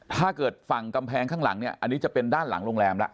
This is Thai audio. ถ้าเกิดฝั่งกำแพงข้างหลังเนี่ยอันนี้จะเป็นด้านหลังโรงแรมแล้ว